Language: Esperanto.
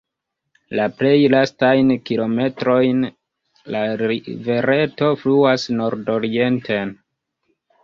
La plej lastajn kilometrojn la rivereto fluas nordorienten.